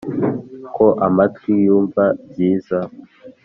ko amatwi yumva byiza,